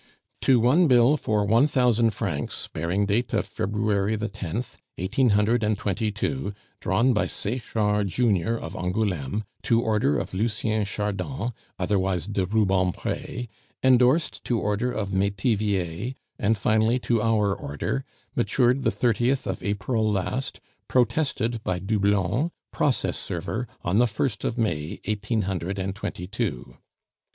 To one bill for one thousand francs, bearing date of February the tenth, eighteen hundred and twenty two, drawn by Sechard junior of Angouleme, to order of Lucien Chardon, otherwise de Rubempre, endorsed to order of Metivier, and finally to our order, matured the thirtieth of April last, protested by Doublon, _process server, on the first of May, eighteen hundred and twenty two.